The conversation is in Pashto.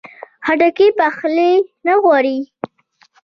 خټکی پخلی نه غواړي.